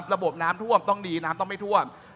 ระบบน้ำท่วมต้องดีน้ำต้องไม่ท่วม